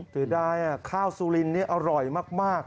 ถือได้ข้าวซูลินอร่อยมาก